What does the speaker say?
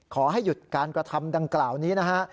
ขอให้หยุดการกระทำดังกล่าวนี้นะฮะ